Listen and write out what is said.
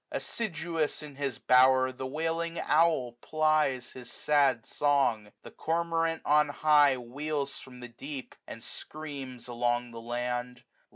As^siduous, in his bower, the wailing owl piies his sad song. The cormorant on high 144 Wheels from the deep, and screams along the land.